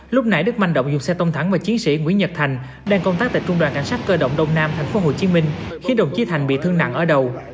lúc này đức manh động dùng xe tông thẳng vào chiến sĩ nguyễn nhật thành đang công tác tại trung đoàn cảnh sát cơ động đông nam tp hcm khiến đồng chí thành bị thương nặng ở đầu